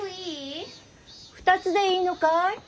２つでいいのかい？